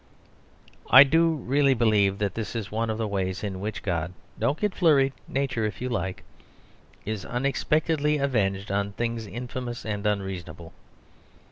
I do really believe that this is one of the ways in which God (don't get flurried, Nature if you like) is unexpectedly avenged on things infamous and unreasonable.